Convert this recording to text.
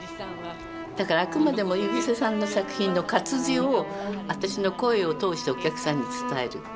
だからあくまでも井伏さんの作品の活字を私の声を通してお客さんに伝える。